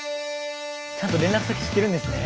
ちゃんと連絡先知ってるんですね。